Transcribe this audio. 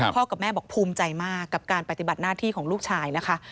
กับแม่บอกภูมิใจมากกับการปฏิบัติหน้าที่ของลูกชายนะคะ